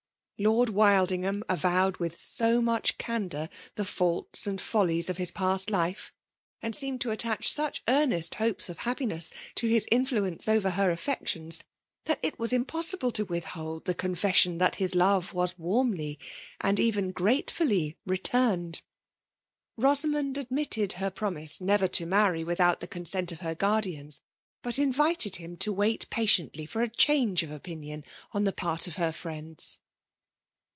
Lord Wildingham avowed with so much candour the faults and follies of his psst life, and seemed to attach such earnest hopes of happiness to his influence over her affections, that it was impossible to withhold the confession that his love was warmly and even gratefully returned. Bosamond admitted her promise never to marry without the con sent of her guardians ; but invited him to wait patiently for a change of opinion on the part of her Mends.